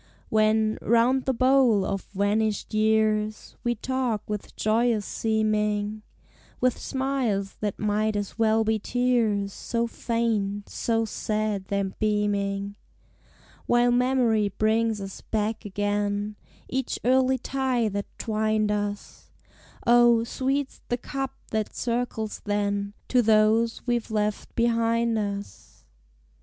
When, round the bowl, of vanished years We talk with joyous seeming, With smiles that might as well be tears, So faint, so sad their beaming; While memory brings us back again Each early tie that twined us, O, sweet's the cup that circles then To those we've left behind us!